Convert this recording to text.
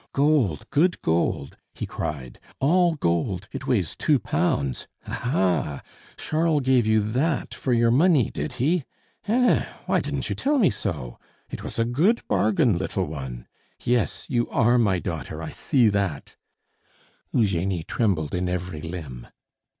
"Gold, good gold!" he cried. "All gold, it weighs two pounds! Ha, ha! Charles gave you that for your money, did he? Hein! Why didn't you tell me so? It was a good bargain, little one! Yes, you are my daughter, I see that " Eugenie trembled in every limb.